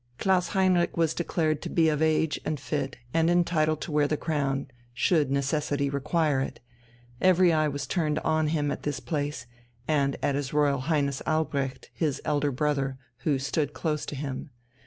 Klaus Heinrich was declared to be of age and fit and entitled to wear the crown, should necessity require it every eye was turned on him at this place, and at his Royal Highness Albrecht, his elder brother, who stood close to him.